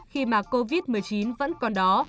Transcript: khi mà covid một mươi chín vẫn còn đó